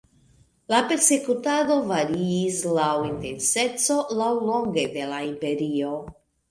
La persekutado variis laŭ intenseco laŭlonge de la imperio.